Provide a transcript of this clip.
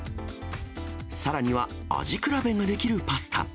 さらには、味比べができるパスタ。